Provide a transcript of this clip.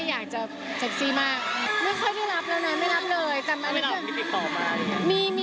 ก็ไม่รับกลิ่นจิตขอมาย